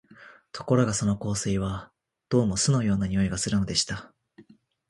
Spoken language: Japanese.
ところがその香水は、どうも酢のような匂いがするのでした